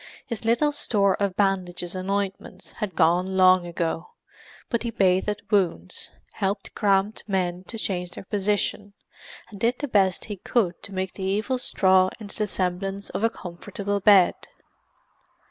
His little store of bandages and ointment had gone long ago, but he bathed wounds, helped cramped men to change their position, and did the best he could to make the evil straw into the semblance of a comfortable bed.